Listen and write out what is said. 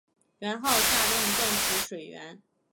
元昊下令断其水源。